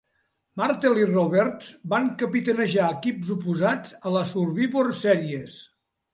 Martel i Roberts van capitanejar equips oposats a la Survivor Series.